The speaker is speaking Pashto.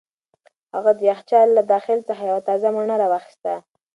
هغه د یخچال له داخل څخه یوه تازه مڼه را واخیسته.